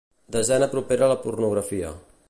Desena propera a la pornografia.